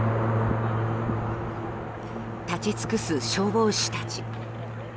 立ち尽くす消防士たち。